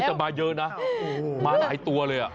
แต่มาเยอะนะมาหลายตัวเลย